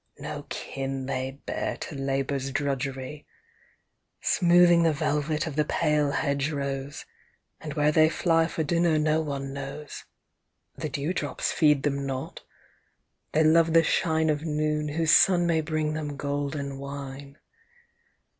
No kin they bear to labour's drudgery, Smoothing the velvet of the pale hedge rose; And where they fly for dinner no one knows The dew drops feed them not they love the shine Of noon, whose sun may bring them golden wine.